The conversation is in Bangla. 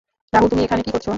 রাহুল তুমি এখানে কি করছ?